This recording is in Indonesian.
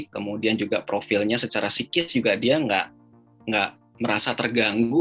kemudian juga profilnya secara psikis juga dia nggak merasa terganggu